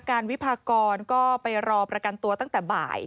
วิพากรก็ไปรอประกันตัวตั้งแต่บ่าย